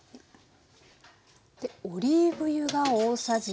オリーブ油が大さじ１。